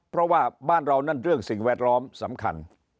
เพราะว่าบ้านเรานั่นเรื่องสิ่งแวดล้อมสำคัญ